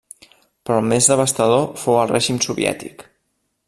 Però el més devastador fou el règim soviètic.